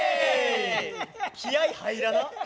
気合い入らな！